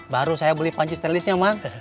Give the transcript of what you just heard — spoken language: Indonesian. baru saya beli panji stainlessnya mang